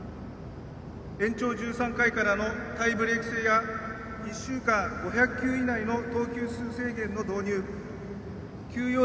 延長１３回からのタイブレーク制や１週間５００球以内の投球数制限の導入休養